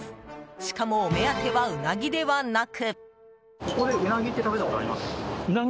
しかも、お目当てはウナギではなく。